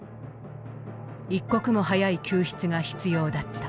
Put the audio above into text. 一刻も早い救出が必要だった。